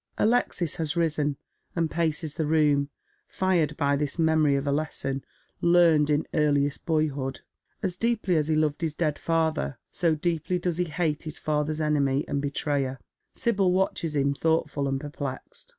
Alexis has risen, and paces the room, fired by this memory of a lesson learned in earliest boyhood. As deeply as he loved his dead father, so deeply does he hate his father's enemy and betrayer. Sibyl watches him, thoughtful and perplexed.